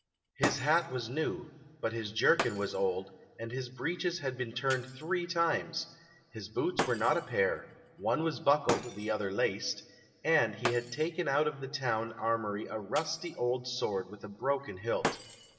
His hat was new, but his jerkin was old, and his breeches had been turned three times; his boots were not a pair, one was buckled, the other laced; and he had taken out of the town armoury a rusty old sword with a broken hilt.